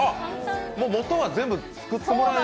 元は全部作ってもらえてると。